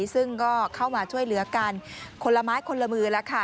ซึ่งก็เข้ามาช่วยเหลือกันคนละไม้คนละมือแล้วค่ะ